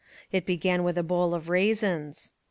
It began with a bowl of raisins.